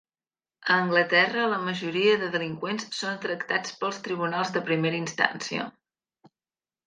A Anglaterra, la majoria dels delinqüents són tractats pels tribunals de primera instància.